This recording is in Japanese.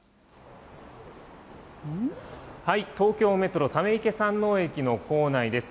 東京メトロ溜池山王駅の構内です。